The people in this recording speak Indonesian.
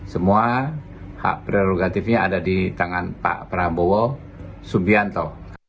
semua hak prerogatifnya ada di tangan pak prabowo subianto